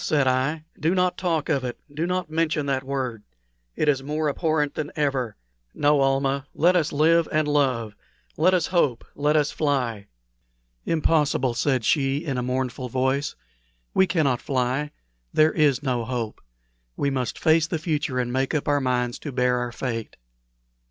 said I; "do not talk of it do not mention that word. It is more abhorrent than ever. No, Almah, let us live and love let us hope let us fly." "Impossible!" said she, in a mournful voice. "We cannot fly. There is no hope. We must face the future, and make up our minds to bear our fate."